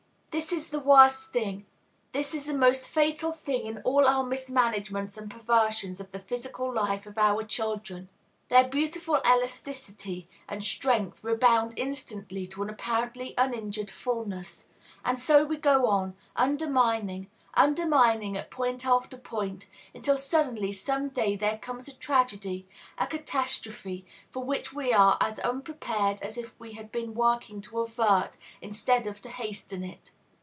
This is the worst thing, this is the most fatal thing in all our mismanagements and perversions of the physical life of our children. Their beautiful elasticity and strength rebound instantly to an apparently uninjured fulness; and so we go on, undermining, undermining at point after point, until suddenly some day there comes a tragedy, a catastrophe, for which we are as unprepared as if we had been working to avert, instead of to hasten it.